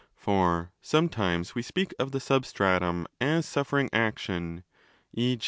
For sometimes we speak of the substratum as suffering action (e.